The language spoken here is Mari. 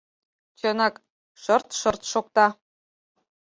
Чынак, шырт-шырт шокта.